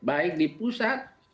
baik di pusat